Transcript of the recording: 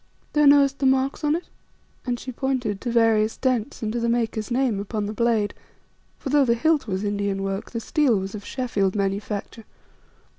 "Thou knowest the marks on it," and she pointed to various dents and to the maker's name upon the blade; for though the hilt was Indian work the steel was of Sheffield manufacture.